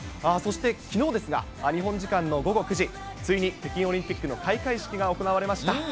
そしてきのうですが、日本時間の午後９時、ついに北京オリンピックの開会式が行われました。